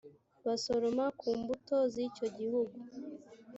basoroma ku mbuto z’icyo gihugu